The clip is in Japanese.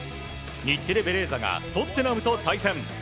日テレ・ベレーザがトッテナムの対戦。